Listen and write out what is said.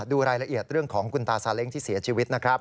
ดูรายละเอียดเรื่องของคุณตาซาเล้งที่เสียชีวิตนะครับ